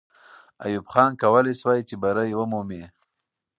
ایوب خان کولای سوای چې بری ومومي.